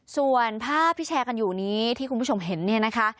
ส่วนภาพที่แชร์กันอยู่นี้ที่คุณผู้ชมเห็นเนี่ยนะคะ